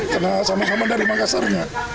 karena sama sama dari makasarnya